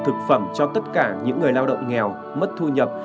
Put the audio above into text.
thực phẩm cho tất cả những người lao động nghèo mất thu nhập